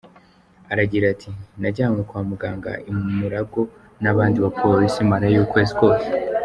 Aragira ati “najyanywe kwa muganga I Murago n’abandi bapolisi marayo ukwezi kose.